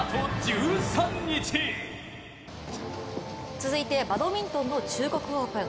続いてバドミントンの中国オープン。